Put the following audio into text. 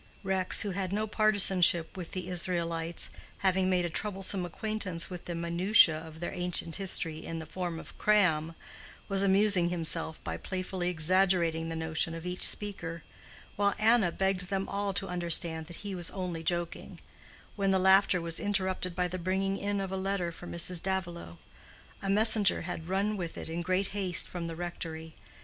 Rex, who had no partisanship with the Israelites, having made a troublesome acquaintance with the minutiae of their ancient history in the form of "cram," was amusing himself by playfully exaggerating the notion of each speaker, while Anna begged them all to understand that he was only joking, when the laughter was interrupted by the bringing in of a letter for Mrs. Davilow. A messenger had run with it in great haste from the rectory.